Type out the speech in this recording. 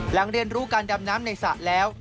เรียนรู้การดำน้ำในสระแล้ว